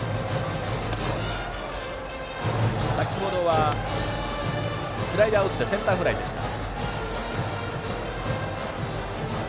先程はスライダーを打ってセンターフライでした。